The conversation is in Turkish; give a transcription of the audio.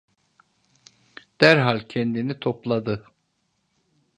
Derhal kendini topladı.